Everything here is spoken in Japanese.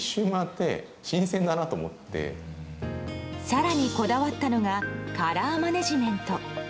更にこだわったのがカラーマネジメント。